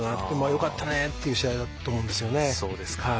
よかったね！という試合だと思うんですよね。